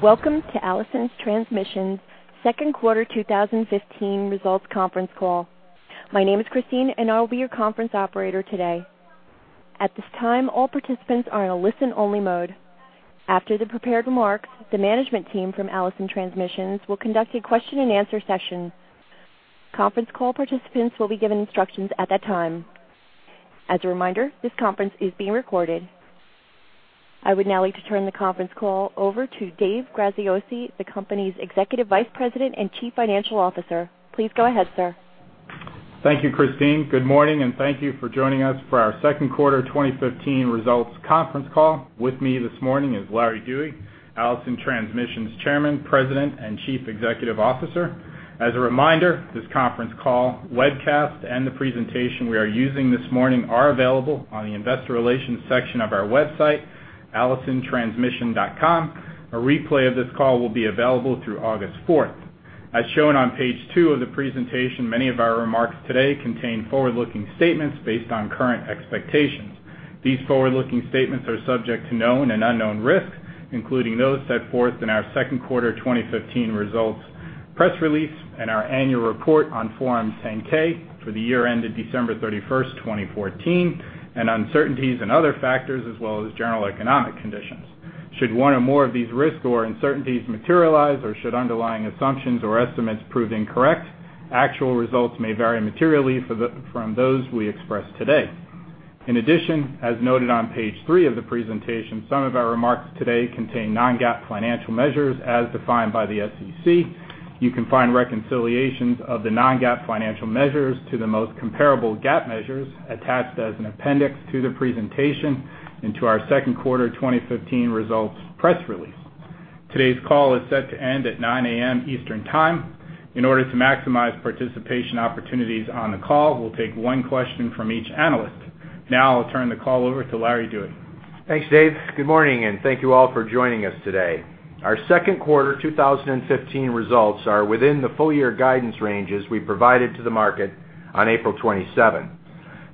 Welcome to Allison Transmission's second quarter 2015 results conference call. My name is Christine, and I'll be your conference operator today. At this time, all participants are in a listen-only mode. After the prepared remarks, the management team from Allison Transmission will conduct a question-and-answer session. Conference call participants will be given instructions at that time. As a reminder, this conference is being recorded. I would now like to turn the conference call over to Dave Graziosi, the company's Executive Vice President and Chief Financial Officer. Please go ahead, sir. Thank you, Christine. Good morning, and thank you for joining us for our second quarter 2015 results conference call. With me this morning is Larry Dewey, Allison Transmission's Chairman, President, and Chief Executive Officer. As a reminder, this conference call, webcast, and the presentation we are using this morning are available on the investor relations section of our website, allisontransmission.com. A replay of this call will be available through August 4th. As shown on page 2 of the presentation, many of our remarks today contain forward-looking statements based on current expectations. These forward-looking statements are subject to known and unknown risks, including those set forth in our second quarter 2015 results press release and our annual report on Form 10-K for the year ended December 31st, 2014, and uncertainties and other factors, as well as general economic conditions. Should one or more of these risks or uncertainties materialize, or should underlying assumptions or estimates prove incorrect, actual results may vary materially from those we express today. In addition, as noted on page 3 of the presentation, some of our remarks today contain non-GAAP financial measures as defined by the SEC. You can find reconciliations of the non-GAAP financial measures to the most comparable GAAP measures attached as an appendix to the presentation and to our second quarter 2015 results press release. Today's call is set to end at 9:00 A.M. Eastern Time. In order to maximize participation opportunities on the call, we'll take one question from each analyst. Now I'll turn the call over to Larry Dewey. Thanks, Dave. Good morning, and thank you all for joining us today. Our second quarter 2015 results are within the full year guidance ranges we provided to the market on April 27.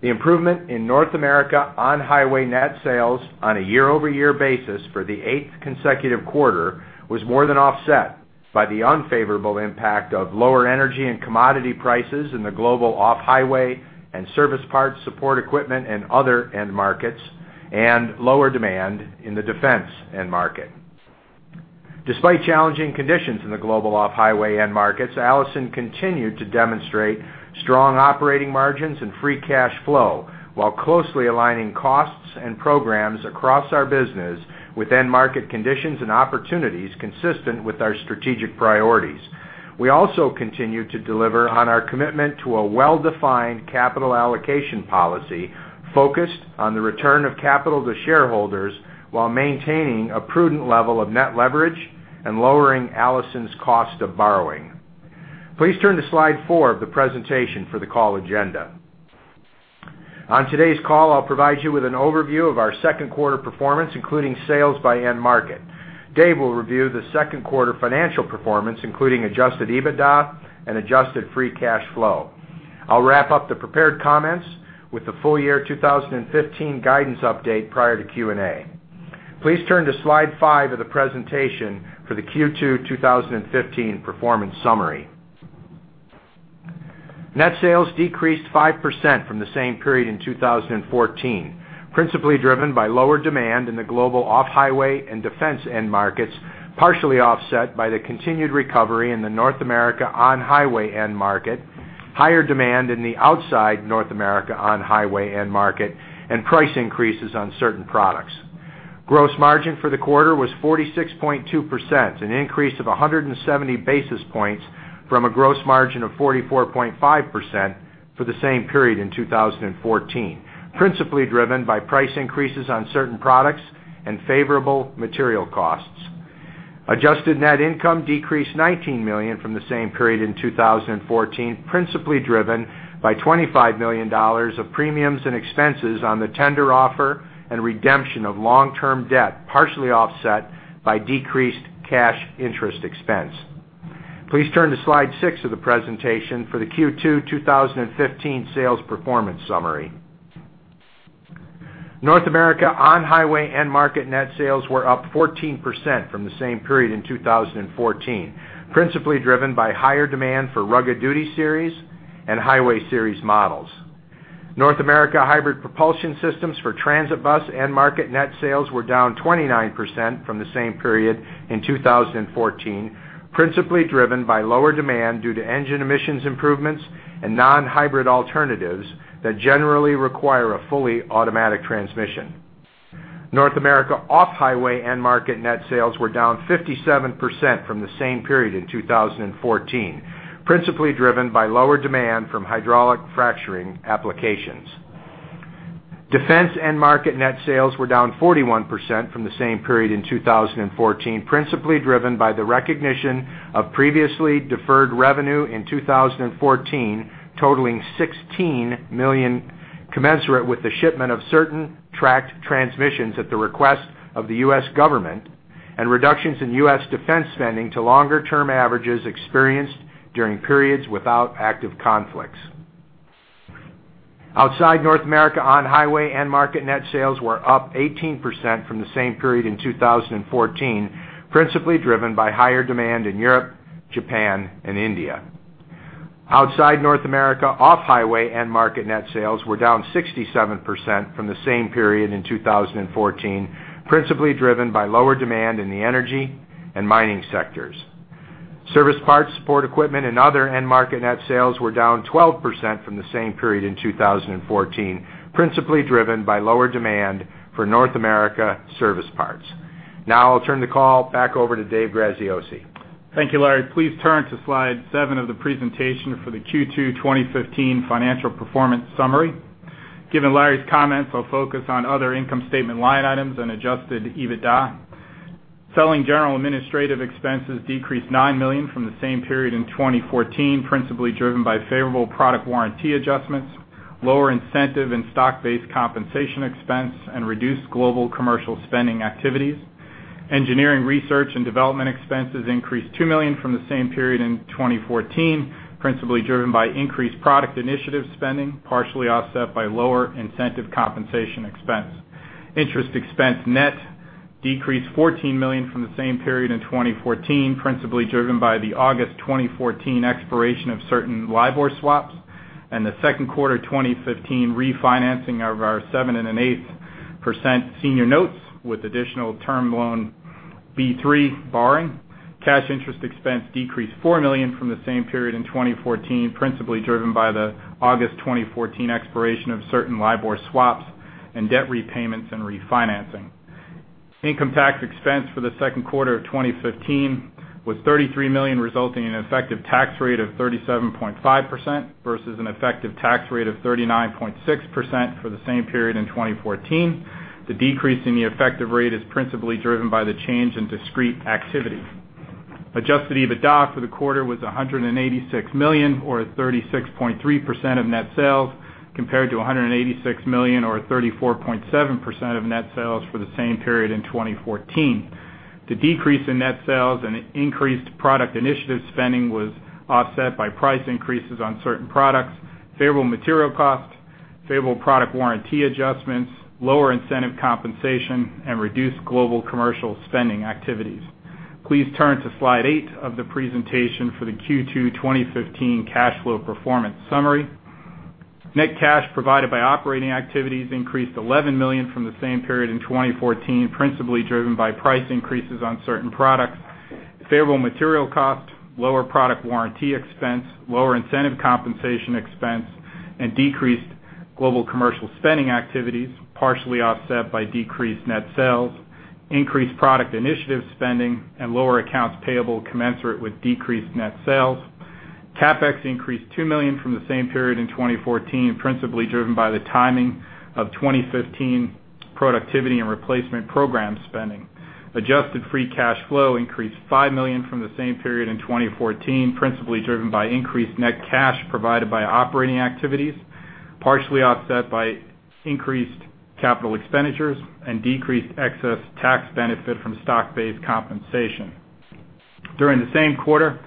The improvement in North America on-highway net sales on a year-over-year basis for the eighth consecutive quarter was more than offset by the unfavorable impact of lower energy and commodity prices in the global off-highway and service parts, support equipment, and other end markets, and lower demand in the defense end market. Despite challenging conditions in the global off-highway end markets, Allison continued to demonstrate strong operating margins and free cash flow, while closely aligning costs and programs across our business with end market conditions and opportunities consistent with our strategic priorities. We also continued to deliver on our commitment to a well-defined capital allocation policy focused on the return of capital to shareholders while maintaining a prudent level of net leverage and lowering Allison's cost of borrowing. Please turn to slide 4 of the presentation for the call agenda. On today's call, I'll provide you with an overview of our second quarter performance, including sales by end market. Dave will review the second quarter financial performance, including Adjusted EBITDA and Adjusted free cash flow. I'll wrap up the prepared comments with the full year 2015 guidance update prior to Q&A. Please turn to slide 5 of the presentation for the Q2 2015 performance summary. Net sales decreased 5% from the same period in 2014, principally driven by lower demand in the global off-highway and defense end markets, partially offset by the continued recovery in the North America on-highway end market, higher demand in the outside North America on-highway end market, and price increases on certain products. Gross margin for the quarter was 46.2%, an increase of 170 basis points from a gross margin of 44.5% for the same period in 2014, principally driven by price increases on certain products and favorable material costs. Adjusted net income decreased $19 million from the same period in 2014, principally driven by $25 million of premiums and expenses on the tender offer and redemption of long-term debt, partially offset by decreased cash interest expense. Please turn to slide 6 of the presentation for the Q2 2015 sales performance summary. North America on-highway end market net sales were up 14% from the same period in 2014, principally driven by higher demand for Rugged Duty Series and Highway Series models. North America hybrid propulsion systems for transit bus end market net sales were down 29% from the same period in 2014, principally driven by lower demand due to engine emissions improvements and non-hybrid alternatives that generally require a fully automatic transmission. North America off-highway end market net sales were down 57% from the same period in 2014, principally driven by lower demand from hydraulic fracturing applications. Defense end market net sales were down 41% from the same period in 2014, principally driven by the recognition of previously deferred revenue in 2014, totaling $16 million, commensurate with the shipment of certain tracked transmissions at the request of the U.S. government, and reductions in U.S. defense spending to longer-term averages experienced during periods without active conflicts. Outside North America, on-highway end market net sales were up 18% from the same period in 2014, principally driven by higher demand in Europe, Japan, and India. Outside North America, off-highway end market net sales were down 67% from the same period in 2014, principally driven by lower demand in the energy and mining sectors. Service parts, support equipment, and other end market net sales were down 12% from the same period in 2014, principally driven by lower demand for North America service parts. Now I'll turn the call back over to Dave Graziosi. Thank you, Larry. Please turn to slide 7 of the presentation for the Q2 2015 financial performance summary. Given Larry's comments, I'll focus on other income statement line items and Adjusted EBITDA. Selling, general, and administrative expenses decreased $9 million from the same period in 2014, principally driven by favorable product warranty adjustments, lower incentive and stock-based compensation expense, and reduced global commercial spending activities. Engineering, research, and development expenses increased $2 million from the same period in 2014, principally driven by increased product initiative spending, partially offset by lower incentive compensation expense. Interest expense, net decreased $14 million from the same period in 2014, principally driven by the August 2014 expiration of certain LIBOR swaps and the second quarter 2015 refinancing of our 7% 1/8% senior notes with additional Term Loan B-3 borrowing. Cash interest expense decreased $4 million from the same period in 2014, principally driven by the August 2014 expiration of certain LIBOR swaps and debt repayments and refinancing. Income tax expense for the second quarter of 2015 was $33 million, resulting in an effective tax rate of 37.5% versus an effective tax rate of 39.6% for the same period in 2014. The decrease in the effective rate is principally driven by the change in discrete activity. Adjusted EBITDA for the quarter was $186 million, or 36.3% of net sales, compared to $186 million, or 34.7% of net sales for the same period in 2014. The decrease in net sales and increased product initiative spending was offset by price increases on certain products, favorable material costs, favorable product warranty adjustments, lower incentive compensation, and reduced global commercial spending activities. Please turn to slide 8 of the presentation for the Q2 2015 cash flow performance summary. Net cash provided by operating activities increased $11 million from the same period in 2014, principally driven by price increases on certain products, favorable material costs, lower product warranty expense, lower incentive compensation expense, and decreased global commercial spending activities, partially offset by decreased net sales, increased product initiative spending, and lower accounts payable commensurate with decreased net sales. CapEx increased $2 million from the same period in 2014, principally driven by the timing of 2015 productivity and replacement program spending. Adjusted free cash flow increased $5 million from the same period in 2014, principally driven by increased net cash provided by operating activities, partially offset by increased capital expenditures and decreased excess tax benefit from stock-based compensation. During the same quarter,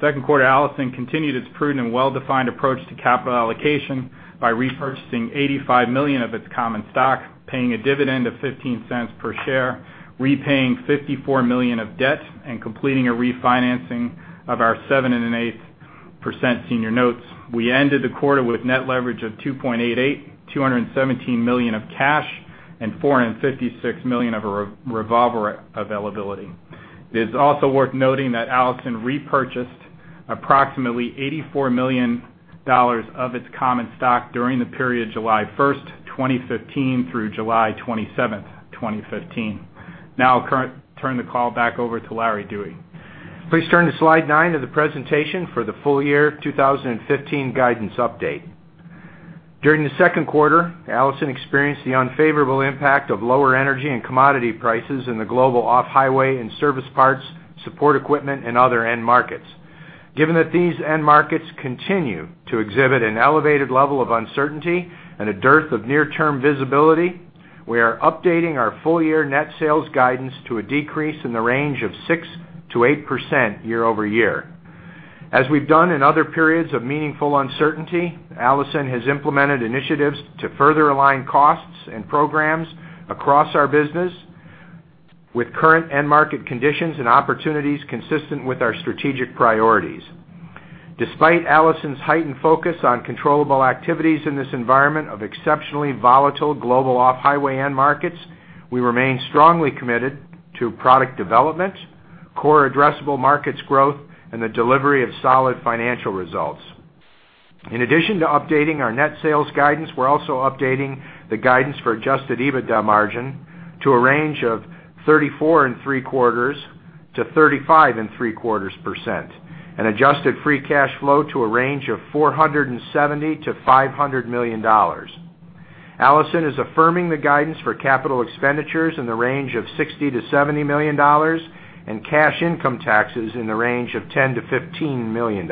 second quarter, Allison continued its prudent and well-defined approach to capital allocation by repurchasing $85 million of its common stock, paying a dividend of $0.15 per share, repaying $54 million of debt, and completing a refinancing of our 7 1/8% senior notes. We ended the quarter with net leverage of 2.88, $217 million of cash, and $456 million of revolver availability. It is also worth noting that Allison repurchased approximately $84 million of its common stock during the period July 1st, 2015, through July 27th, 2015. Now I'll turn the call back over to Larry Dewey. Please turn to slide 9 of the presentation for the full year 2015 guidance update. During the second quarter, Allison experienced the unfavorable impact of lower energy and commodity prices in the global off-highway and service parts, support equipment, and other end markets. Given that these end markets continue to exhibit an elevated level of uncertainty and a dearth of near-term visibility, we are updating our full-year net sales guidance to a decrease in the range of 6%-8% year-over-year. As we've done in other periods of meaningful uncertainty, Allison has implemented initiatives to further align costs and programs across our business with current end market conditions and opportunities consistent with our strategic priorities. Despite Allison's heightened focus on controllable activities in this environment of exceptionally volatile global off-highway end markets, we remain strongly committed to product development, core addressable markets growth, and the delivery of solid financial results. In addition to updating our net sales guidance, we're also updating the guidance for adjusted EBITDA margin to a range of 34.75%-35.75%, and adjusted free cash flow to a range of $470 million-$500 million. Allison is affirming the guidance for capital expenditures in the range of $60 million-$70 million and cash income taxes in the range of $10 million-$15 million.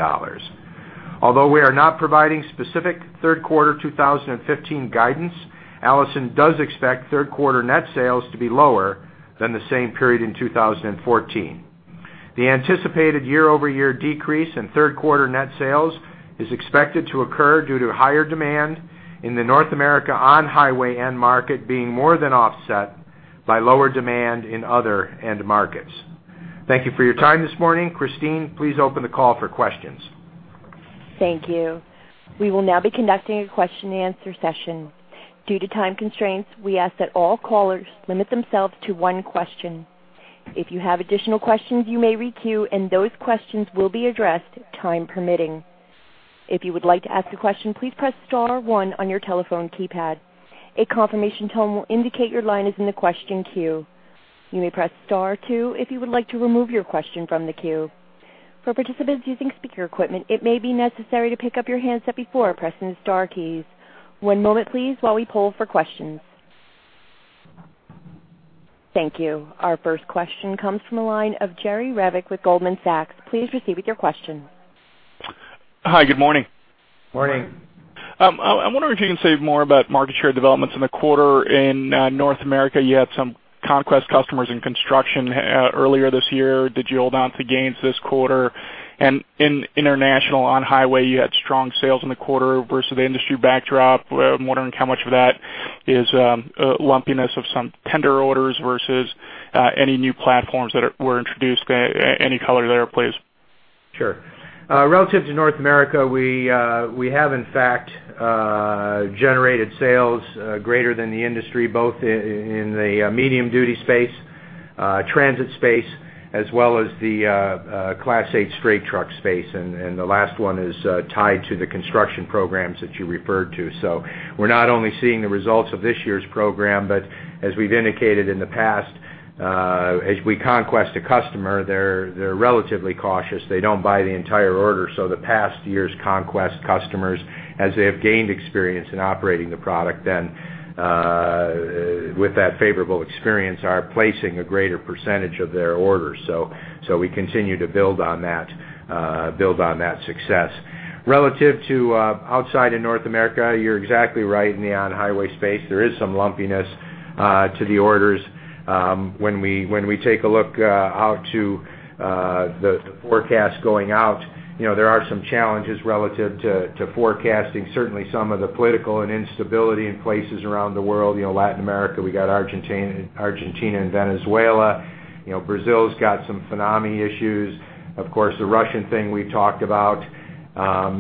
Although we are not providing specific third quarter 2015 guidance, Allison does expect third quarter net sales to be lower than the same period in 2014. The anticipated year-over-year decrease in third quarter net sales is expected to occur due to higher demand in the North America on-highway end market, being more than offset by lower demand in other end markets. Thank you for your time this morning. Christine, please open the call for questions. Thank you. We will now be conducting a question-and-answer session. Due to time constraints, we ask that all callers limit themselves to one question. If you have additional questions, you may re-queue, and those questions will be addressed, time permitting. If you would like to ask a question, please press star one on your telephone keypad. A confirmation tone will indicate your line is in the question queue. You may press star two if you would like to remove your question from the queue. For participants using speaker equipment, it may be necessary to pick up your handset before pressing the star keys. One moment, please, while we poll for questions. Thank you. Our first question comes from the line of Jerry Revich with Goldman Sachs. Please proceed with your question. Hi, good morning. Morning. I'm wondering if you can say more about market share developments in the quarter in North America. You had some conquest customers in construction earlier this year. Did you hold on to gains this quarter? And in international on-highway, you had strong sales in the quarter versus the industry backdrop. I'm wondering how much of that is lumpiness of some tender orders versus any new platforms that were introduced. Any color there, please? Sure. Relative to North America, we have, in fact, generated sales greater than the industry, both in the medium-duty space, transit space, as well as the Class 8 straight truck space, and the last one is tied to the construction programs that you referred to. So we're not only seeing the results of this year's program, but as we've indicated in the past, as we conquest a customer, they're relatively cautious. They don't buy the entire order. So the past year's conquest customers, as they have gained experience in operating the product, then, with that favorable experience, are placing a greater percentage of their orders. So we continue to build on that success. Relative to outside of North America, you're exactly right. In the on-highway space, there is some lumpiness to the orders. When we take a look out to the forecast going out, you know, there are some challenges relative to forecasting, certainly some of the political and instability in places around the world. You know, Latin America, we got Argentina and Venezuela. You know, Brazil's got some FINAME issues. Of course, the Russian thing we talked about.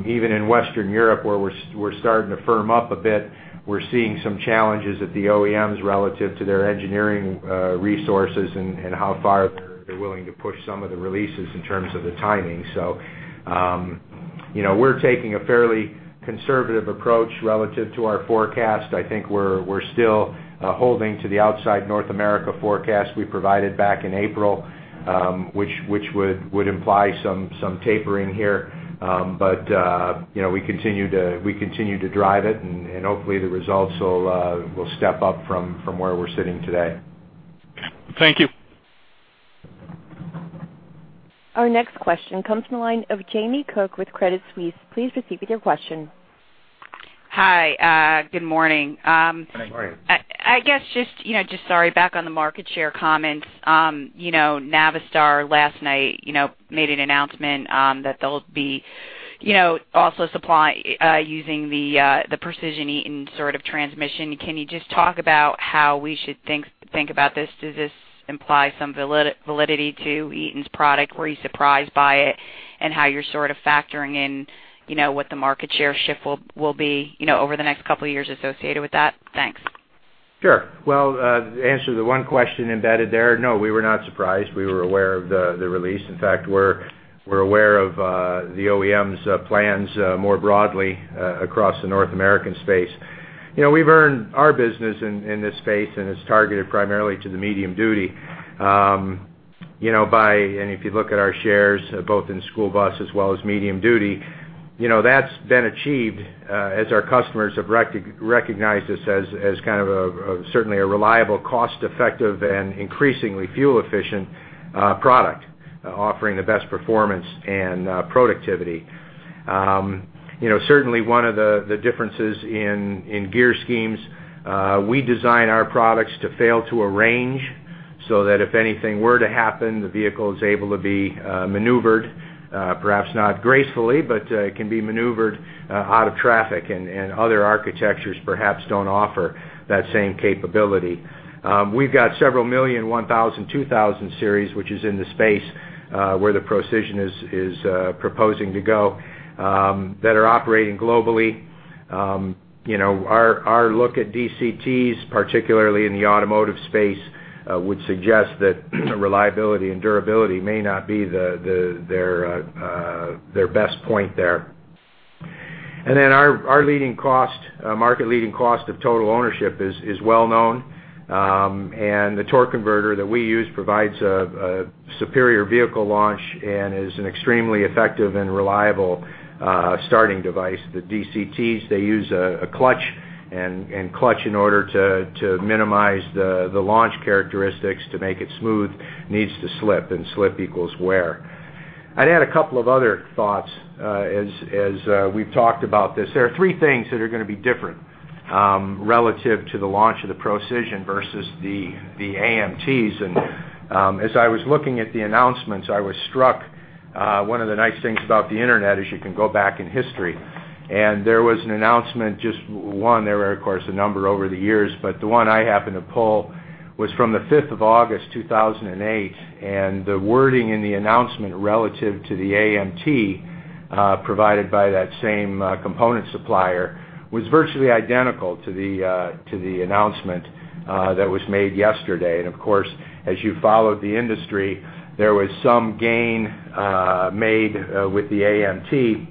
Even in Western Europe, where we're starting to firm up a bit, we're seeing some challenges at the OEMs relative to their engineering resources and how far they're willing to push some of the releases in terms of the timing. So, you know, we're taking a fairly conservative approach relative to our forecast. I think we're still holding to the outside North America forecast we provided back in April, which would imply some tapering here. But you know, we continue to drive it, and hopefully, the results will step up from where we're sitting today. Thank you. Our next question comes from the line of Jamie Cook with Credit Suisse. Please proceed with your question. Hi, good morning. Good morning. I guess, you know, sorry, back on the market share comments. You know, Navistar last night made an announcement that they'll be also supplying using the Procision Eaton sort of transmission. Can you just talk about how we should think about this? Does this imply some validity to Eaton's product? Were you surprised by it, and how you're sort of factoring in, you know, what the market share shift will be, you know, over the next couple of years associated with that? Thanks. Sure. Well, to answer the one question embedded there, no, we were not surprised. We were aware of the release. In fact, we're aware of the OEM's plans more broadly across the North American space. You know, we've earned our business in this space, and it's targeted primarily to the medium duty. You know, by and if you look at our shares, both in school bus as well as medium duty, you know, that's been achieved as our customers have recognized us as kind of a certainly a reliable, cost-effective, and increasingly fuel-efficient product offering the best performance and productivity. You know, certainly one of the differences in gear schemes, we design our products to fail to a range, so that if anything were to happen, the vehicle is able to be maneuvered, perhaps not gracefully, but it can be maneuvered out of traffic, and other architectures perhaps don't offer that same capability. We've got several million 1000, 2000 Series, which is in the space where the Procision is proposing to go, that are operating globally. You know, our look at DCTs, particularly in the automotive space, would suggest that reliability and durability may not be their best point there. And then our market-leading cost of total ownership is well known. And the torque converter that we use provides a superior vehicle launch and is an extremely effective and reliable starting device. The DCTs, they use a clutch, and clutch in order to minimize the launch characteristics, to make it smooth, needs to slip, and slip equals wear. I'd add a couple of other thoughts, as we've talked about this. There are three things that are gonna be different, relative to the launch of the Procision versus the AMTs. As I was looking at the announcements, I was struck, one of the nice things about the internet is you can go back in history, and there was an announcement, just one, there were, of course, a number over the years, but the one I happened to pull was from the 5th August, 2008, and the wording in the announcement relative to the AMT provided by that same component supplier was virtually identical to the announcement that was made yesterday. Of course, as you followed the industry, there was some gain made with the AMT,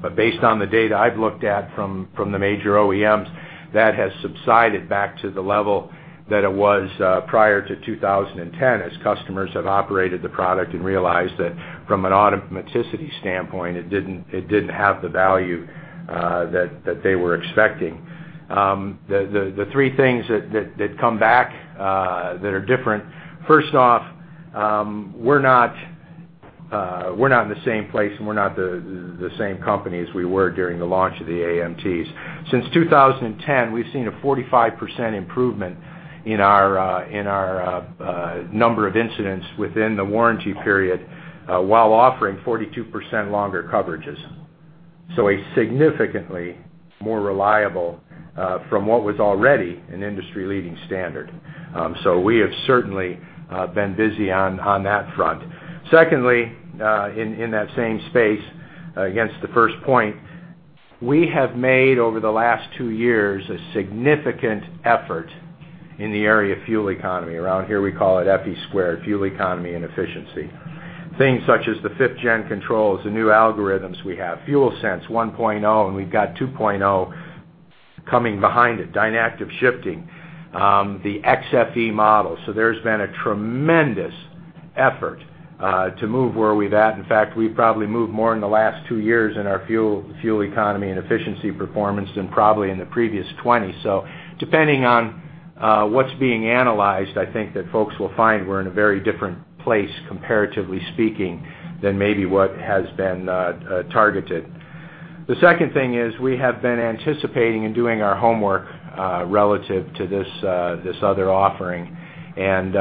but based on the data I've looked at from the major OEMs, that has subsided back to the level that it was prior to 2010, as customers have operated the product and realized that from an automaticity standpoint, it didn't have the value that they were expecting. The three things that come back that are different. First off, we're not in the same place, and we're not the same company as we were during the launch of the AMTs. Since 2010, we've seen a 45% improvement in our number of incidents within the warranty period while offering 42% longer coverages. So a significantly more reliable, from what was already an industry-leading standard. So we have certainly been busy on that front. Secondly, in that same space, against the first point, we have made, over the last two years, a significant effort in the area of fuel economy. Around here, we call it FE squared, fuel economy and efficiency. Things such as the 5th-gen controls, the new algorithms we have, FuelSense 1.0, and we've got 2.0 coming behind it, DynActive shifting, the xFE model. So there's been a tremendous effort to move where we've at. In fact, we've probably moved more in the last two years in our fuel economy and efficiency performance than probably in the previous 20. So depending on what's being analyzed, I think that folks will find we're in a very different place, comparatively speaking, than maybe what has been targeted. The second thing is we have been anticipating and doing our homework relative to this other offering, and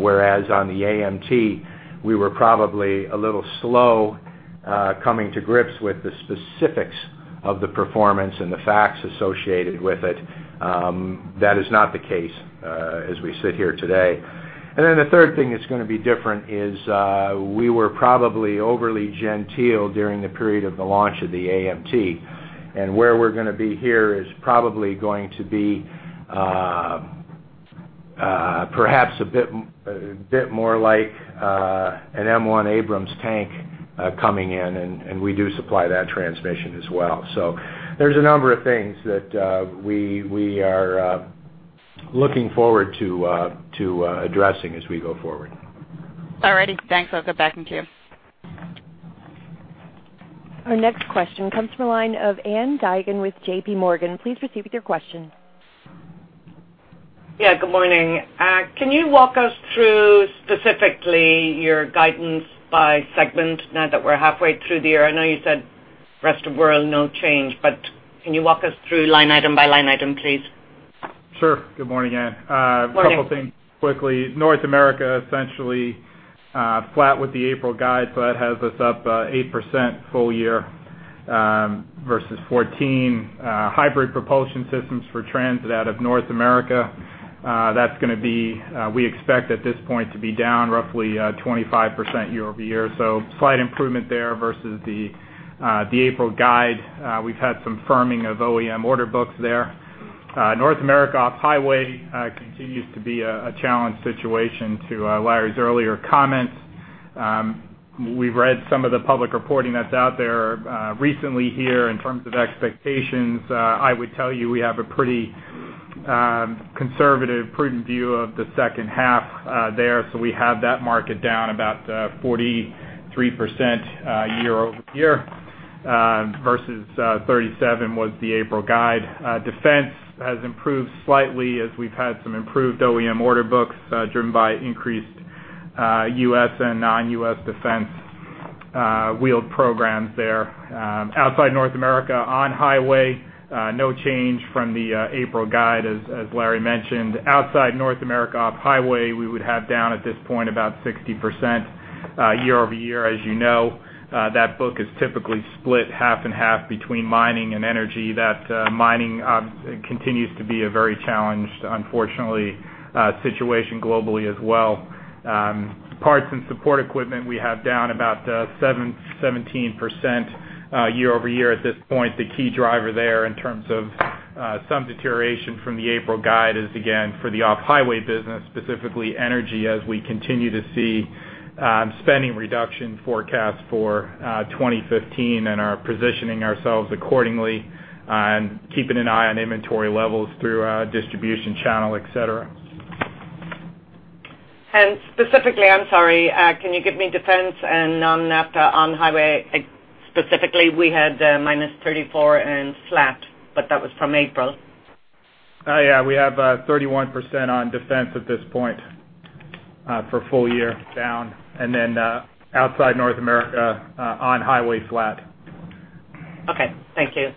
whereas on the AMT, we were probably a little slow coming to grips with the specifics of the performance and the facts associated with it, that is not the case as we sit here today. And then the third thing that's gonna be different is, we were probably overly genteel during the period of the launch of the AMT, and where we're gonna be here is probably going to be, perhaps a bit, a bit more like an M1 Abrams tank coming in, and we do supply that transmission as well. So there's a number of things that we are looking forward to addressing as we go forward. All righty. Thanks. I'll get back in queue. Our next question comes from the line of Ann Duignan with JPMorgan. Please proceed with your question. Yeah, good morning. Can you walk us through, specifically, your guidance by segment now that we're halfway through the year? I know you said rest of world, no change, but can you walk us through line item by line item, please? Sure. Good morning, Ann. Morning. A couple of things quickly. North America, essentially, flat with the April guide, but has us up 8% full year versus 14. Hybrid propulsion systems for transit out of North America, that's gonna be, we expect at this point, to be down roughly 25% year-over-year. So slight improvement there versus the April guide. We've had some firming of OEM order books there. North America off-highway continues to be a challenged situation to Larry's earlier comments. We've read some of the public reporting that's out there recently here in terms of expectations. I would tell you, we have a pretty conservative, prudent view of the second half there. So we have that market down about 43%, year-over-year, versus 37 was the April guide. Defense has improved slightly as we've had some improved OEM order books, driven by increased U.S. and non-U.S. defense wheeled programs there. Outside North America, on-highway, no change from the April guide, as Larry mentioned. Outside North America, off-highway, we would have down at this point about 60%, year-over-year. As you know, that book is typically split half and half between mining and energy, that mining continues to be a very challenged, unfortunately, situation globally as well. Parts and support equipment, we have down about 17%, year-over-year at this point. The key driver there, in terms of, some deterioration from the April guide, is again, for the off-highway business, specifically energy, as we continue to see, spending reduction forecast for, 2015 and are positioning ourselves accordingly, and keeping an eye on inventory levels through our distribution channel, et cetera. Specifically, I'm sorry, can you give me defense and non-NAFTA on highway? Specifically, we had -34 and flat, but that was from April. Oh, yeah, we have 31% on defense at this point, for full year down, and then, outside North America, on highway, flat. Okay. Thank you.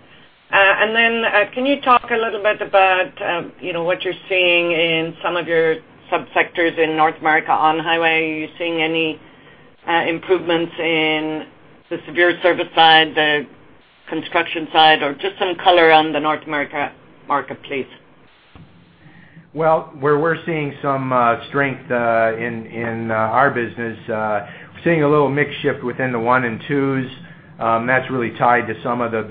And then, can you talk a little bit about, you know, what you're seeing in some of your subsectors in North America on highway? Are you seeing any improvements in the severe service side, the construction side, or just some color on the North America marketplace? Well, where we're seeing some strength in our business, we're seeing a little mix shift within the 1 and 2s. That's really tied to some of the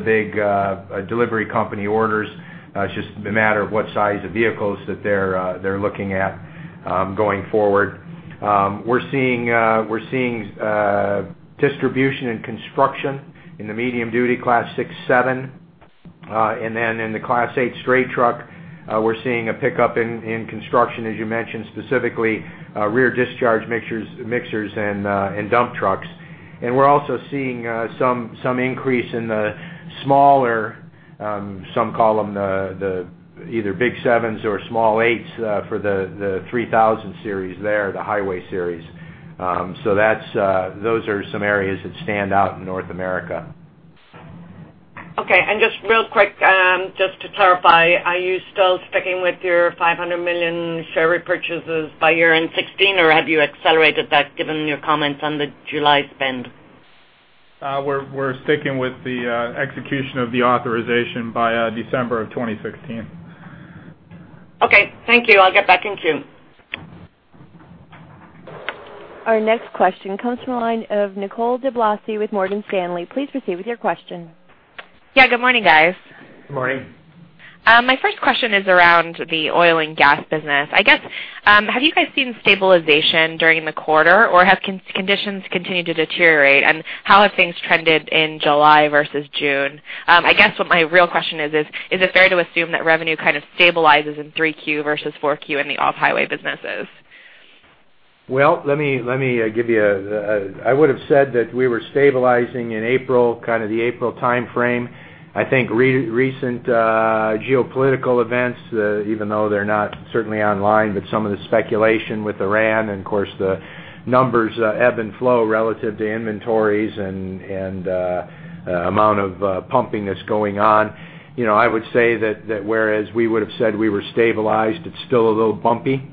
big delivery company orders. It's just a matter of what size of vehicles that they're looking at going forward. We're seeing distribution and construction in the medium-duty Class 6, 7. And then in the Class 8 straight truck, we're seeing a pickup in construction, as you mentioned, specifically rear discharge mixers and dump trucks. And we're also seeing some increase in the smaller, some call them the either big 7s or small 8s, for the 3000 Series there, the Highway Series. So that's, those are some areas that stand out in North America. Okay. And just real quick, just to clarify, are you still sticking with your $500 million share repurchases by year-end 2016, or have you accelerated that given your comments on the July spend? We're sticking with the execution of the authorization by December of 2016. Okay, thank you. I'll get back in queue. Our next question comes from the line of Nicole DeBlase with Morgan Stanley. Please proceed with your question. Yeah, good morning, guys. Good morning. My first question is around the oil and gas business. I guess, have you guys seen stabilization during the quarter, or have conditions continued to deteriorate? And how have things trended in July versus June? I guess what my real question is: Is it fair to assume that revenue kind of stabilizes in 3Q versus 4Q in the off-highway businesses? Well, let me give you a. I would've said that we were stabilizing in April, kind of the April timeframe. I think recent geopolitical events, even though they're not certainly online, but some of the speculation with Iran, and of course, the numbers, ebb and flow relative to inventories and, and amount of pumping that's going on. You know, I would say that whereas we would've said we were stabilized, it's still a little bumpy.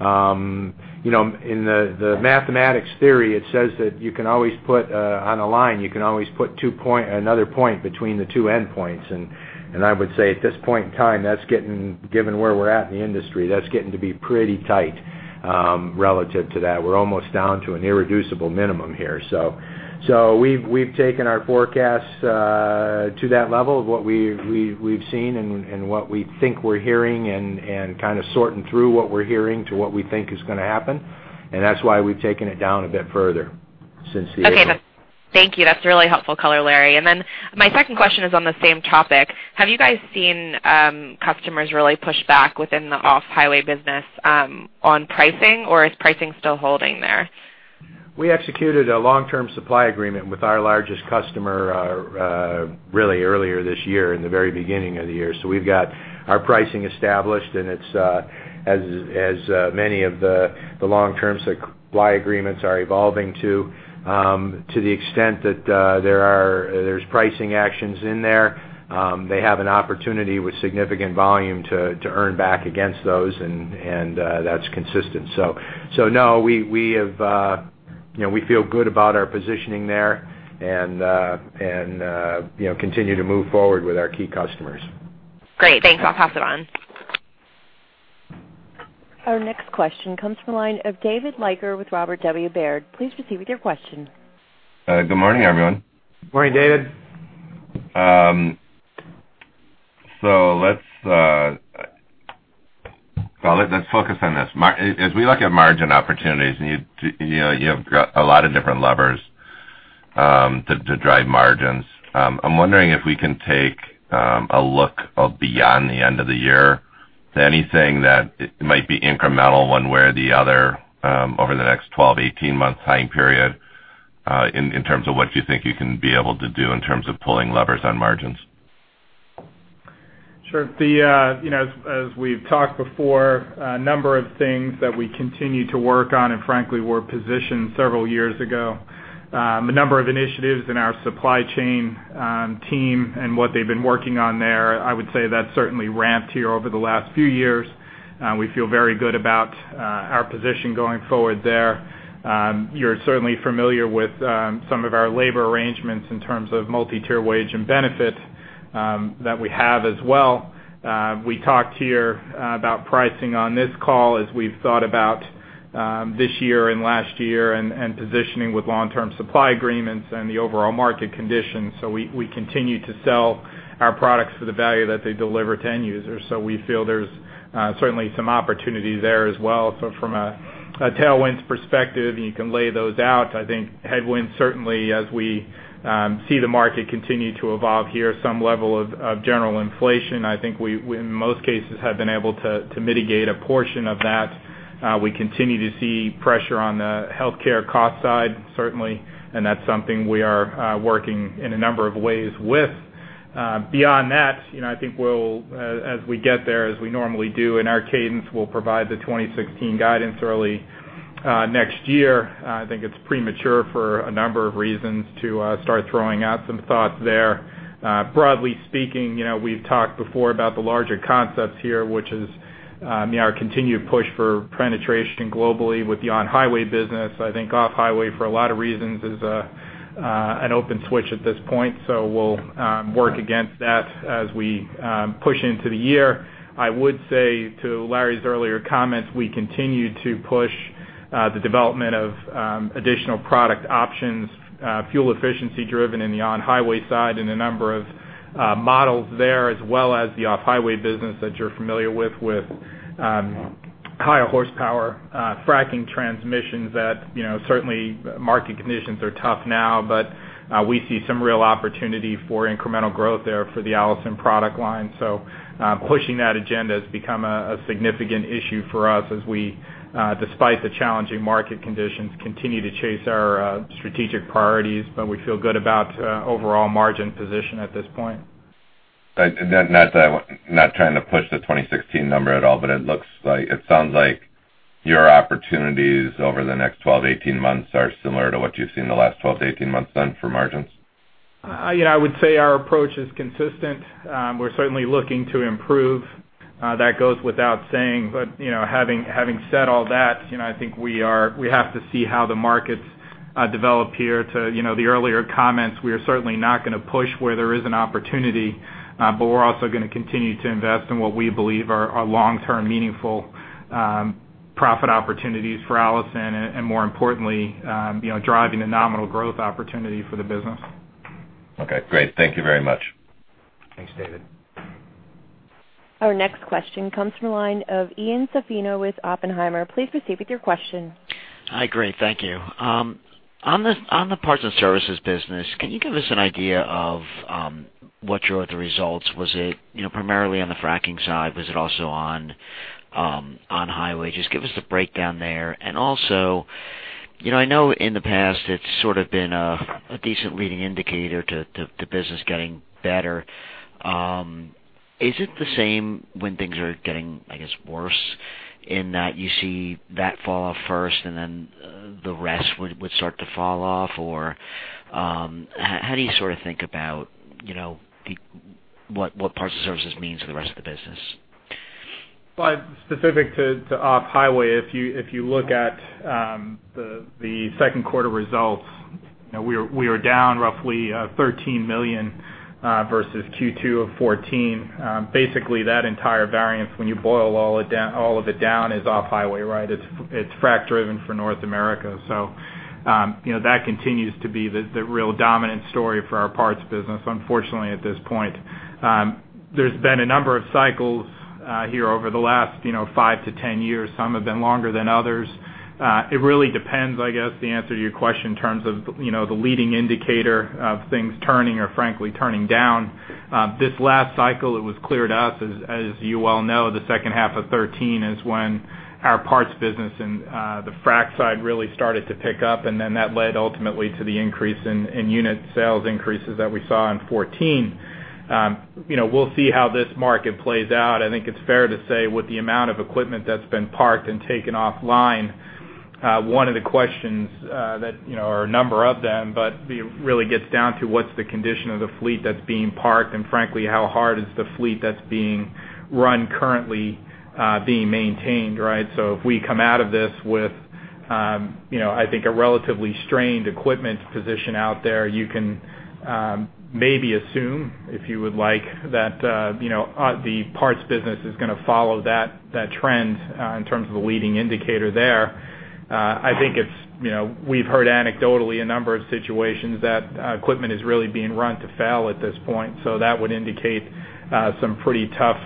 You know, in the mathematics theory, it says that you can always put on a line, you can always put two point another point between the two endpoints. And I would say, at this point in time, that's getting, given where we're at in the industry, that's getting to be pretty tight, relative to that. We're almost down to an irreducible minimum here. So we've taken our forecasts to that level of what we've seen and what we think we're hearing and kind of sorting through what we're hearing to what we think is gonna happen, and that's why we've taken it down a bit further since the- Okay. Thank you. That's a really helpful color, Larry. And then my second question is on the same topic. Have you guys seen customers really push back within the off-highway business on pricing, or is pricing still holding there? We executed a long-term supply agreement with our largest customer really earlier this year, in the very beginning of the year. So we've got our pricing established, and it's as many of the long-term supply agreements are evolving to the extent that there's pricing actions in there. They have an opportunity with significant volume to earn back against those, and that's consistent. So no, we have you know we feel good about our positioning there and you know continue to move forward with our key customers. Great. Thanks. I'll pass it on. Our next question comes from the line of David Leiker with Robert W. Baird. Please proceed with your question. Good morning, everyone. Morning, David. So let's focus on this. As we look at margin opportunities, you know, you have got a lot of different levers to drive margins. I'm wondering if we can take a look at beyond the end of the year to anything that might be incremental, one way or the other, over the next 12-18 month time period, in terms of what you think you can be able to do in terms of pulling levers on margins. Sure. The, you know, as, as we've talked before, a number of things that we continue to work on and frankly, were positioned several years ago. The number of initiatives in our supply chain, team and what they've been working on there, I would say that's certainly ramped here over the last few years. We feel very good about, our position going forward there. You're certainly familiar with, some of our labor arrangements in terms of multi-tier wage and benefits, that we have as well. We talked here, about pricing on this call as we've thought about, this year and last year, and, and positioning with long-term supply agreements and the overall market conditions. So we, we continue to sell our products for the value that they deliver to end users. So we feel there's certainly some opportunity there as well. So from a tailwinds perspective, you can lay those out. I think headwinds, certainly as we see the market continue to evolve here, some level of general inflation, I think we, in most cases, have been able to mitigate a portion of that. We continue to see pressure on the healthcare cost side, certainly, and that's something we are working in a number of ways with. Beyond that, you know, I think we'll as we get there, as we normally do, in our cadence, we'll provide the 2016 guidance early next year. I think it's premature for a number of reasons to start throwing out some thoughts there. Broadly speaking, you know, we've talked before about the larger concepts here, which is our continued push for penetration globally with the on-highway business. I think off-highway, for a lot of reasons, is an open switch at this point, so we'll work against that as we push into the year. I would say to Larry's earlier comments, we continue to push the development of additional product options, fuel efficiency driven in the on-highway side, in a number of models there, as well as the off-highway business that you're familiar with, with higher horsepower, fracking transmissions that, you know, certainly market conditions are tough now, but we see some real opportunity for incremental growth there for the Allison product line. Pushing that agenda has become a significant issue for us as we, despite the challenging market conditions, continue to chase our strategic priorities, but we feel good about overall margin position at this point. Right. Not that I'm not trying to push the 2016 number at all, but it looks like, it sounds like your opportunities over the next 12-18 months are similar to what you've seen in the last 12-18 months then, for margins? Yeah, I would say our approach is consistent. We're certainly looking to improve, that goes without saying. But, you know, having said all that, you know, I think we are—we have to see how the markets develop here to, you know, the earlier comments, we are certainly not going to push where there is an opportunity, but we're also going to continue to invest in what we believe are long-term, meaningful profit opportunities for Allison, and, and more importantly, you know, driving the nominal growth opportunity for the business. Okay, great. Thank you very much. Thanks, David. Our next question comes from the line of Ian Zaffino with Oppenheimer. Please proceed with your question. Hi, great, thank you. On the parts and services business, can you give us an idea of what your results? Was it, you know, primarily on the fracking side, was it also on highway? Just give us the breakdown there. And also, you know, I know in the past, it's sort of been a decent leading indicator to business getting better. Is it the same when things are getting, I guess, worse, in that you see that fall off first, and then the rest would start to fall off? Or, how do you sort of think about, you know, what parts and services means for the rest of the business? Well, specific to off-highway, if you look at the second quarter results, you know, we are down roughly $13 million versus Q2 of 2014. Basically, that entire variance, when you boil all it down, all of it down, is off-highway, right? It's fracking driven for North America. So, you know, that continues to be the real dominant story for our parts business unfortunately, at this point. There's been a number of cycles here over the last, you know, 5 to 10 years. Some have been longer than others. It really depends, I guess, the answer to your question in terms of, you know, the leading indicator of things turning or frankly, turning down. This last cycle, it was clear to us, as you well know, the second half of 2013 is when our parts business and the fracking side really started to pick up, and then that led ultimately to the increase in unit sales increases that we saw in 2014. You know, we'll see how this market plays out. I think it's fair to say, with the amount of equipment that's been parked and taken offline, one of the questions that you know, or a number of them, but it really gets down to what's the condition of the fleet that's being parked, and frankly, how hard is the fleet that's being run currently being maintained, right? So if we come out of this with, you know, I think a relatively strained equipment position out there, you can, maybe assume, if you would like, that, you know, the parts business is going to follow that, that trend, in terms of a leading indicator there. I think it's, you know, we've heard anecdotally a number of situations that, equipment is really being run to fail at this point, so that would indicate, some pretty tough,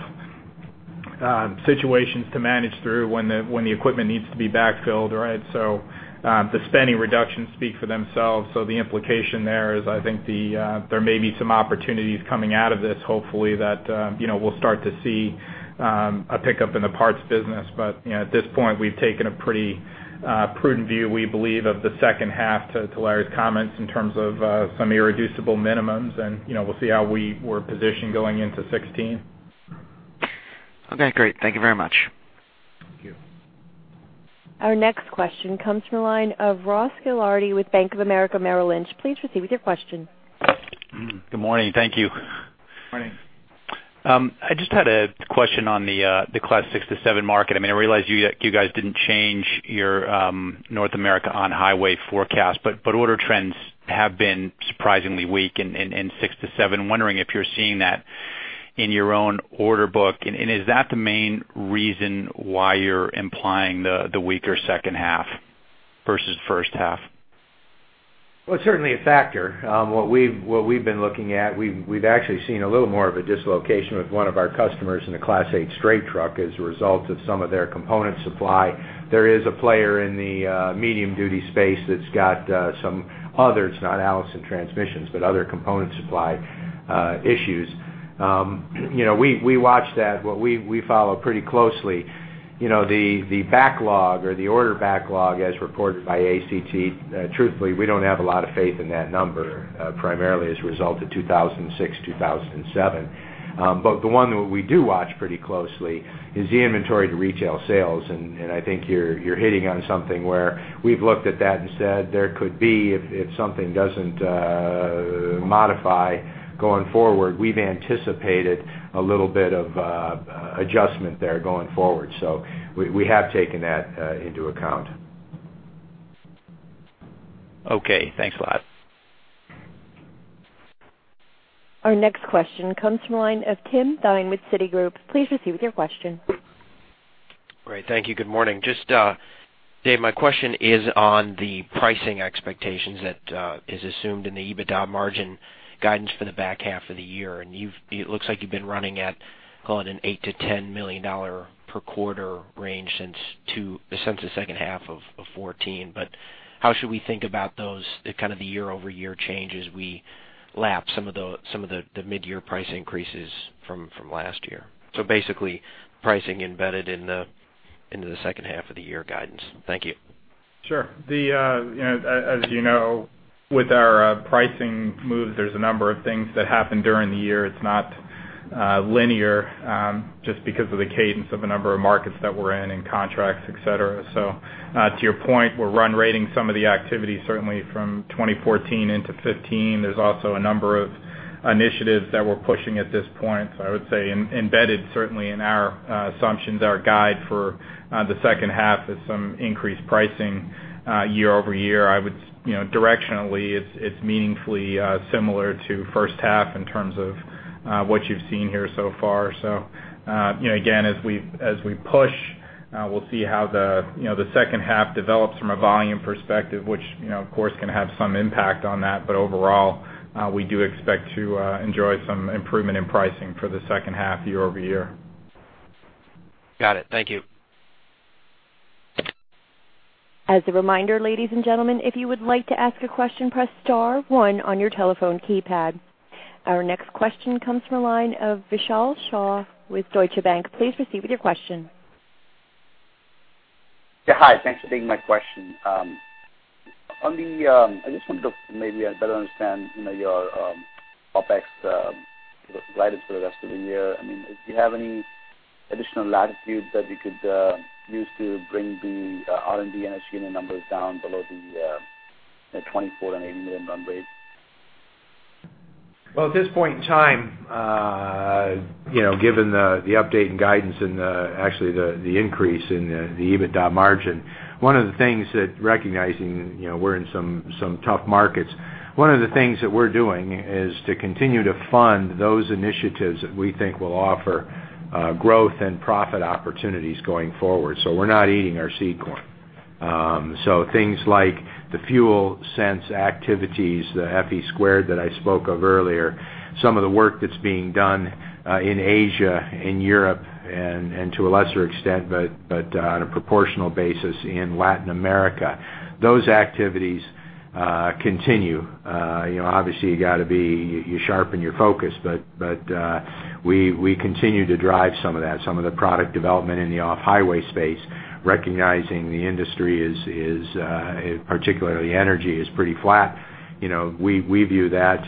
situations to manage through when the equipment needs to be backfilled, right? So, the spending reductions speak for themselves. So the implication there is, I think there may be some opportunities coming out of this, hopefully, that, you know, we'll start to see, a pickup in the parts business. You know, at this point, we've taken a pretty prudent view, we believe, of the second half to Larry's comments, in terms of some irreducible minimums, and, you know, we'll see how we were positioned going into 2016. Okay, great. Thank you very much. Thank you. Our next question comes from the line of Ross Gilardi with Bank of America Merrill Lynch. Please proceed with your question. Good morning. Thank you. Morning. I just had a question on the Class 6 to 7 market. I mean, I realize you guys didn't change your North America on-highway forecast, but order trends have been surprisingly weak in six to seven. I'm wondering if you're seeing that in your own order book. And is that the main reason why you're implying the weaker second half versus first half? Well, it's certainly a factor. What we've been looking at, we've actually seen a little more of a dislocation with one of our customers in the Class 8 straight truck as a result of some of their component supply. There is a player in the medium duty space that's got some others, not Allison Transmissions, but other component supply issues. You know, we watch that. What we follow pretty closely. You know, the backlog or the order backlog, as reported by ACT, truthfully, we don't have a lot of faith in that number, primarily as a result of 2006, 2007. But the one that we do watch pretty closely is the inventory to retail sales, and I think you're hitting on something where we've looked at that and said, there could be, if something doesn't modify going forward, we've anticipated a little bit of adjustment there going forward. So we have taken that into account. Okay, thanks a lot. Our next question comes from the line of Tim Thein with Citigroup. Please proceed with your question. Great, thank you. Good morning. Just, Dave, my question is on the pricing expectations that is assumed in the EBITDA margin guidance for the back half of the year. And you've -- it looks like you've been running at, call it, an $8 million-$10 million per quarter range since the second half of 2014. But how should we think about those, the kind of the year-over-year change as we lap some of the midyear price increases from last year? So basically, pricing embedded in the second half of the year guidance. Thank you. Sure. The, you know, as you know, with our pricing moves, there's a number of things that happen during the year. It's not linear, just because of the cadence of a number of markets that we're in, and contracts, et cetera. So, to your point, we're run rating some of the activity, certainly from 2014 into 2015. There's also a number of initiatives that we're pushing at this point. So I would say, embedded, certainly in our assumptions, our guide for the second half, is some increased pricing, year over year. I would, you know, directionally, it's meaningfully similar to first half in terms of what you've seen here so far. So, you know, again, as we, as we push, we'll see how the, you know, the second half develops from a volume perspective, which, you know, of course, can have some impact on that. But overall, we do expect to enjoy some improvement in pricing for the second half year over year. Got it. Thank you. As a reminder, ladies and gentlemen, if you would like to ask a question, press star one on your telephone keypad. Our next question comes from a line of Vishal Shah with Deutsche Bank. Please proceed with your question. Yeah, hi. Thanks for taking my question. On the OpEx guidance for the rest of the year. I just wanted to maybe better understand, you know, your OpEx guidance for the rest of the year. I mean, if you have any additional latitude that you could use to bring the R&D and SG&A numbers down below the $24 million and $80 million run rate. Well, at this point in time, you know, given the update and guidance and, actually, the increase in the EBITDA margin, one of the things that recognizing, you know, we're in some tough markets. One of the things that we're doing is to continue to fund those initiatives that we think will offer growth and profit opportunities going forward. So we're not eating our seed corn. So things like the FuelSense activities, the FE Squared that I spoke of earlier, some of the work that's being done in Asia and Europe, and to a lesser extent, but on a proportional basis in Latin America, those activities continue. You know, obviously, you got to be - you sharpen your focus, but we continue to drive some of that. Some of the product development in the off-highway space, recognizing the industry is particularly energy is pretty flat. You know, we view that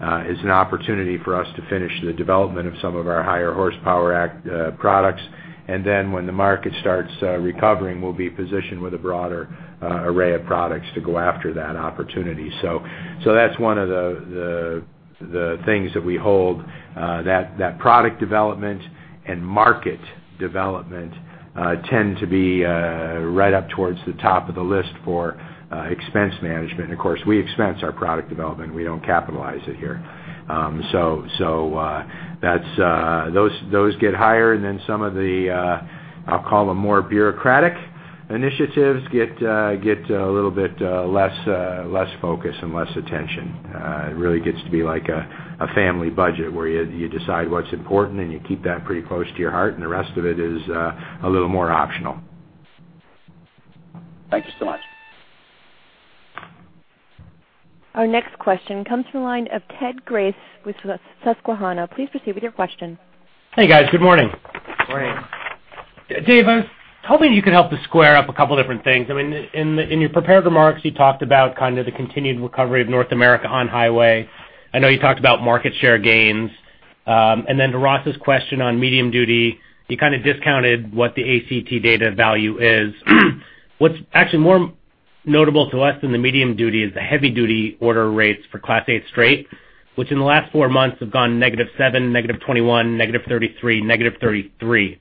as an opportunity for us to finish the development of some of our higher horsepower products. And then when the market starts recovering, we'll be positioned with a broader array of products to go after that opportunity. So that's one of the things that we hold that product development and market development tend to be right up towards the top of the list for expense management. And of course, we expense our product development. We don't capitalize it here. So, that's those get higher than some of the, I'll call them, more bureaucratic initiatives, get a little bit less focus and less attention. It really gets to be like a family budget, where you decide what's important, and you keep that pretty close to your heart, and the rest of it is a little more optional. Thank you so much. Our next question comes from the line of Ted Grace with Susquehanna. Please proceed with your question. Hey, guys. Good morning. Good morning. Dave, I was hoping you could help to square up a couple different things. I mean, in your prepared remarks, you talked about kind of the continued recovery of North America on-highway. I know you talked about market share gains. And then to Ross's question on medium-duty, you kind of discounted what the ACT data value is. What's actually more notable to us in the medium-duty is the heavy-duty order rates for Class 8 straight, which in the last four months have gone -7, -21, -33, -33.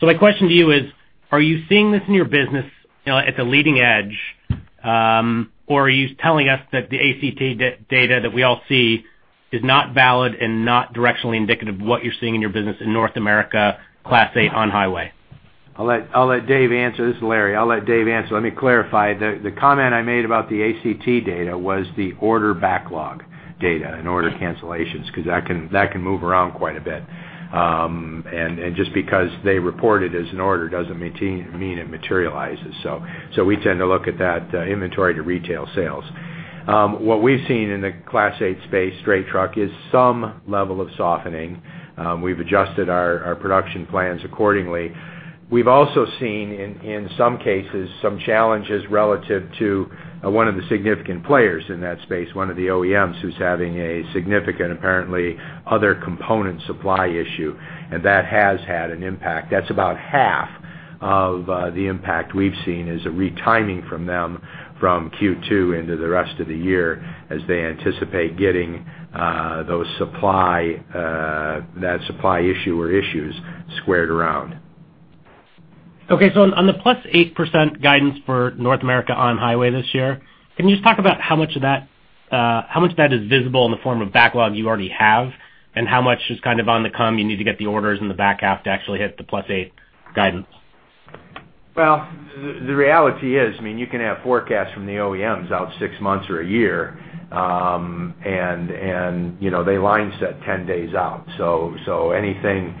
So my question to you is: Are you seeing this in your business, you know, at the leading edge? Or are you telling us that the ACT data that we all see is not valid and not directionally indicative of what you're seeing in your business in North America, Class 8 on-highway? I'll let Dave answer. This is Larry. Let me clarify. The comment I made about the ACT data was the order backlog data and order cancellations, 'cause that can move around quite a bit. And just because they report it as an order, doesn't mean it materializes. So we tend to look at that inventory to retail sales. What we've seen in the Class 8 space, straight truck, is some level of softening. We've adjusted our production plans accordingly. We've also seen, in some cases, some challenges relative to one of the significant players in that space, one of the OEMs, who's having a significant, apparently, other component supply issue, and that has had an impact. That's about half of the impact we've seen as a retiming from them. from Q2 into the rest of the year as they anticipate getting that supply issue or issues squared around. Okay. So on the +8% guidance for North America on-highway this year, can you just talk about how much of that, how much of that is visible in the form of backlog you already have, and how much is kind of on the come, you need to get the orders in the back half to actually hit the +8 guidance? Well, the reality is, I mean, you can have forecasts from the OEMs out six months or a year, and, you know, they line set 10 days out. So anything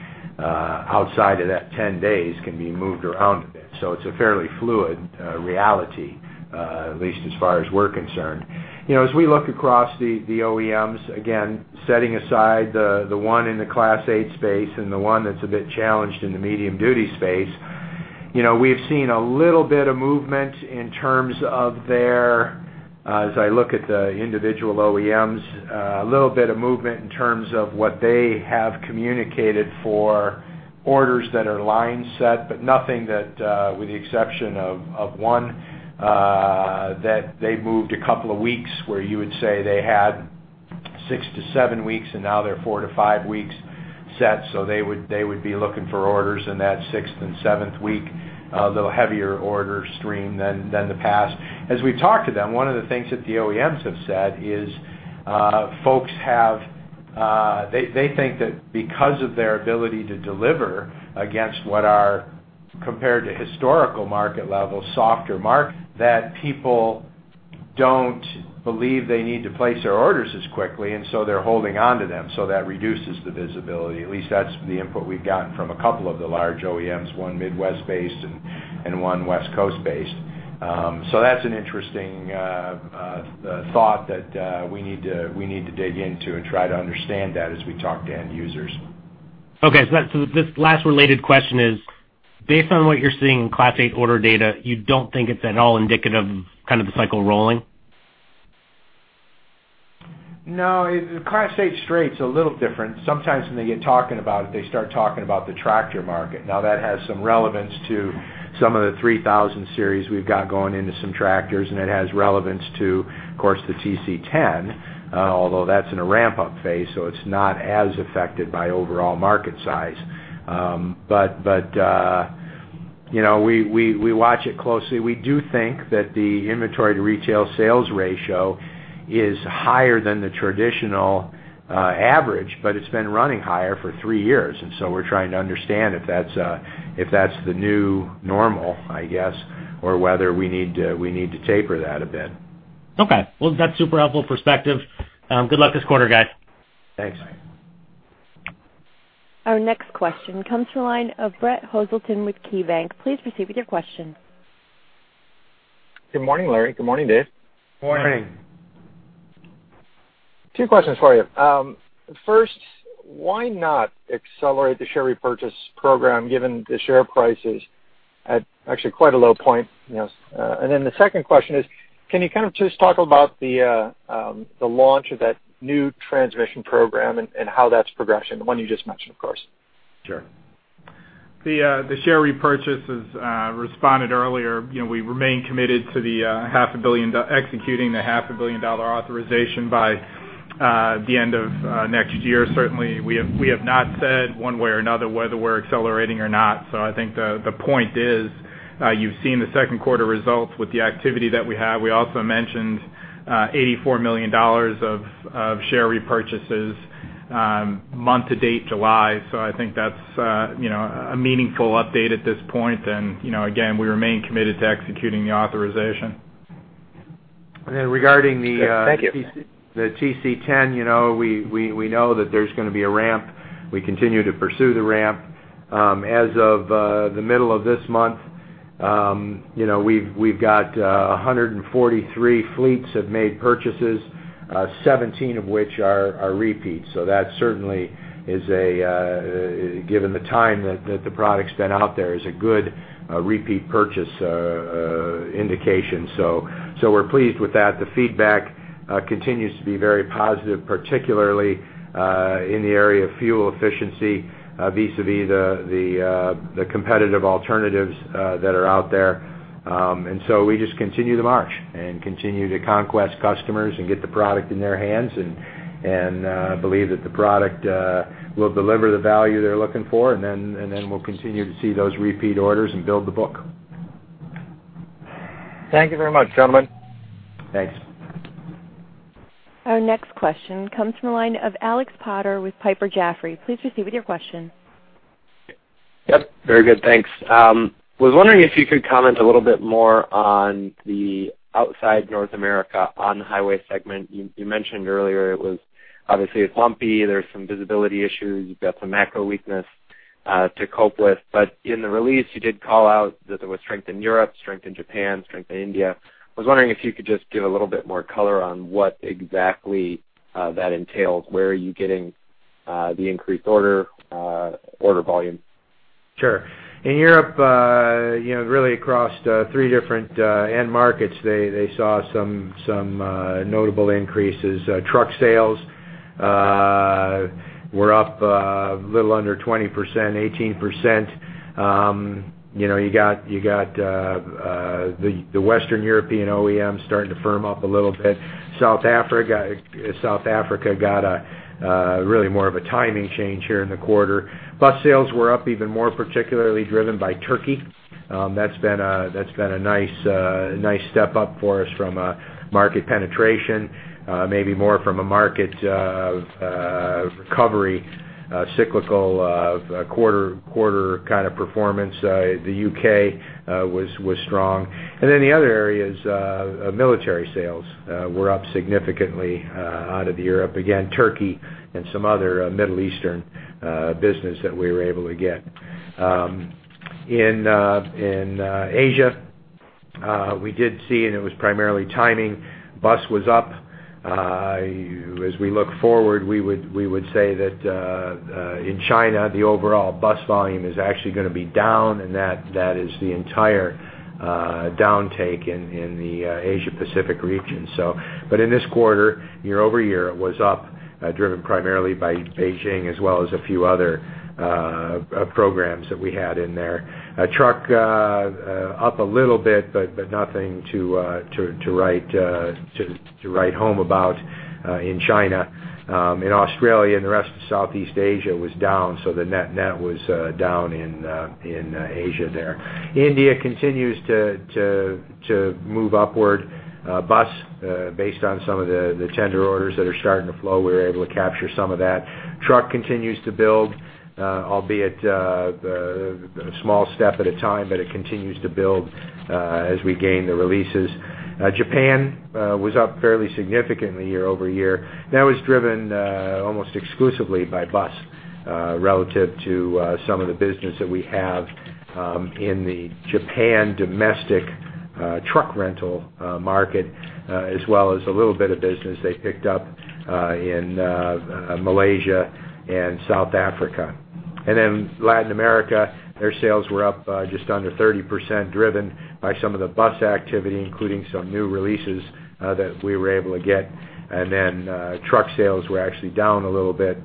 outside of that 10 days can be moved around a bit. So it's a fairly fluid reality, at least as far as we're concerned. You know, as we look across the OEMs, again, setting aside the one in the Class 8 space and the one that's a bit challenged in the medium duty space, you know, we've seen a little bit of movement in terms of their, as I look at the individual OEMs, a little bit of movement in terms of what they have communicated for orders that are line set, but nothing that, with the exception of one, that they moved a couple of weeks where you would say they had 6-7 weeks, and now they're 4-5 weeks set. So they would, they would be looking for orders in that sixth and seventh week, a little heavier order stream than the past. As we talk to them, one of the things that the OEMs have said is, folks have. They, they think that because of their ability to deliver against what are compared to historical market levels, softer market, that people don't believe they need to place their orders as quickly, and so they're holding on to them, so that reduces the visibility. At least that's the input we've gotten from a couple of the large OEMs, one Midwest-based and one West Coast-based. So that's an interesting thought that we need to, we need to dig into and try to understand that as we talk to end users. Okay. So this last related question is, based on what you're seeing in Class 8 order data, you don't think it's at all indicative of kind of the cycle rolling? No, Class 8 straight's a little different. Sometimes when they get talking about it, they start talking about the tractor market. Now, that has some relevance to some of the 3000 Series we've got going into some tractors, and it has relevance to, of course, the TC10, although that's in a ramp-up phase, so it's not as affected by overall market size. But, you know, we watch it closely. We do think that the inventory to retail sales ratio is higher than the traditional average, but it's been running higher for three years, and so we're trying to understand if that's the new normal, I guess, or whether we need to taper that a bit. Okay. Well, that's super helpful perspective. Good luck this quarter, guys. Thanks. Our next question comes from the line of Brett Hoselton with KeyBanc. Please proceed with your question. Good morning, Larry. Good morning, Dave. Morning. Morning. Two questions for you. First, why not accelerate the share repurchase program, given the share price is at actually quite a low point, you know? And then the second question is, can you kind of just talk about the launch of that new transmission program and how that's progressing, the one you just mentioned, of course? Sure. The share repurchase is responded earlier. You know, we remain committed to the $500 million, executing the $500 million dollar authorization by the end of next year. Certainly, we have not said one way or another whether we're accelerating or not. So I think the point is, you've seen the second quarter results with the activity that we have. We also mentioned $84 million dollars of share repurchases month to date, July. So I think that's you know, a meaningful update at this point. And, you know, again, we remain committed to executing the authorization. And then regarding the TC10, you know, we know that there's going to be a ramp. We continue to pursue the ramp. As of the middle of this month, you know, we've got 143 fleets have made purchases, 17 of which are repeats. So that certainly is a given the time that the product's been out there, is a good repeat purchase indication. So we're pleased with that. The feedback continues to be very positive, particularly in the area of fuel efficiency vis-a-vis the competitive alternatives that are out there. And so we just continue to march and continue to conquest customers and get the product in their hands, and believe that the product will deliver the value they're looking for, and then we'll continue to see those repeat orders and build the book. Thank you very much, gentlemen. Thanks. Our next question comes from the line of Alex Potter with Piper Jaffray. Please proceed with your question. Yep, very good. Thanks. Was wondering if you could comment a little bit more on the Outside North America On-Highway segment. You, you mentioned earlier it was obviously it's lumpy. There's some visibility issues. You've got some macro weakness to cope with. But in the release, you did call out that there was strength in Europe, strength in Japan, strength in India. I was wondering if you could just give a little bit more color on what exactly that entails. Where are you getting the increased order order volume? Sure. In Europe, you know, really across three different end markets, they saw some notable increases. Truck sales. We're up a little under 20%, 18%. You know, you got the Western European OEMs starting to firm up a little bit. South Africa got really more of a timing change here in the quarter. Bus sales were up even more, particularly driven by Turkey. That's been a nice step up for us from a market penetration, maybe more from a market recovery, cyclical quarter kind of performance. The U.K. was strong. And then the other areas, military sales were up significantly out of Europe. Again, Turkey and some other Middle Eastern business that we were able to get. In Asia, we did see, and it was primarily timing, bus was up. As we look forward, we would say that in China, the overall bus volume is actually gonna be down, and that is the entire downtake in the Asia Pacific region, so. But in this quarter, year-over-year, it was up, driven primarily by Beijing, as well as a few other programs that we had in there. Truck up a little bit, but nothing to write home about in China. In Australia and the rest of Southeast Asia was down, so the net was down in Asia there. India continues to move upward. Bus, based on some of the tender orders that are starting to flow, we were able to capture some of that. Truck continues to build, albeit a small step at a time, but it continues to build, as we gain the releases. Japan was up fairly significantly year-over-year. That was driven almost exclusively by bus relative to some of the business that we have in the Japan domestic truck rental market, as well as a little bit of business they picked up in Malaysia and South Africa. And then Latin America, their sales were up just under 30%, driven by some of the bus activity, including some new releases that we were able to get. Then, truck sales were actually down a little bit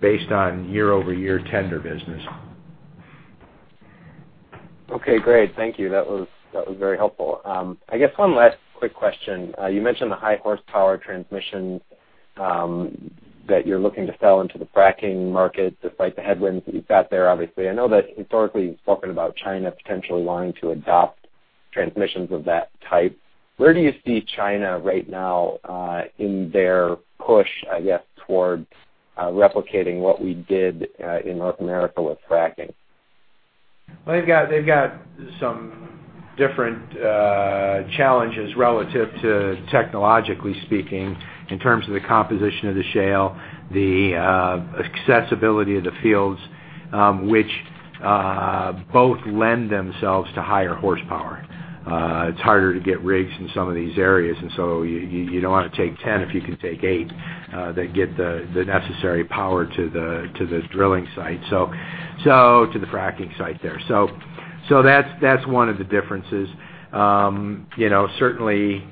based on year-over-year tender business. Okay, great. Thank you. That was, that was very helpful. I guess one last quick question. You mentioned the high horsepower transmissions that you're looking to sell into the fracking market, despite the headwinds that you've got there, obviously. I know that historically, you've spoken about China potentially wanting to adopt transmissions of that type. Where do you see China right now in their push, I guess, towards replicating what we did in North America with fracking? Well, they've got some different challenges relative to, technologically speaking, in terms of the composition of the shale, the accessibility of the fields, which both lend themselves to higher horsepower. It's harder to get rigs in some of these areas, and so you don't wanna take 10 if you can take eight that get the necessary power to the drilling site. So to the fracking site there. So that's one of the differences. You know, certainly,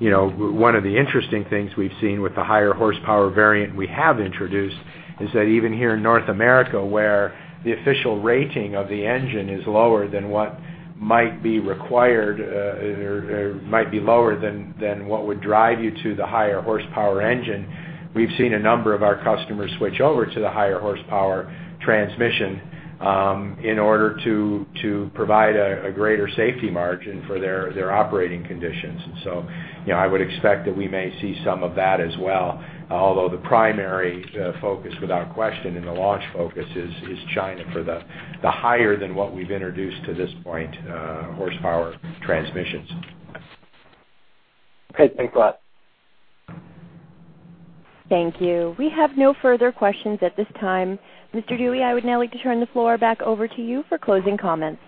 you know, one of the interesting things we've seen with the higher horsepower variant we have introduced is that even here in North America, where the official rating of the engine is lower than what might be required, or might be lower than what would drive you to the higher horsepower engine, we've seen a number of our customers switch over to the higher horsepower transmission, in order to provide a greater safety margin for their operating conditions. And so, you know, I would expect that we may see some of that as well, although the primary focus, without question, and the launch focus is China for the higher than what we've introduced to this point horsepower transmissions. Okay. Thanks a lot. Thank you. We have no further questions at this time. Mr. Dewey, I would now like to turn the floor back over to you for closing comments.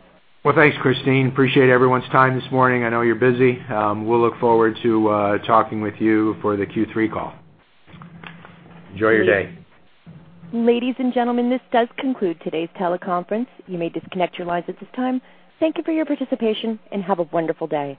Well, thanks, Christine. Appreciate everyone's time this morning. I know you're busy. We'll look forward to talking with you for the Q3 call. Enjoy your day. Ladies and gentlemen, this does conclude today's teleconference. You may disconnect your lines at this time. Thank you for your participation, and have a wonderful day.